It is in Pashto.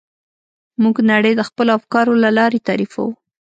موږ نړۍ د خپلو افکارو له لارې تعریفوو.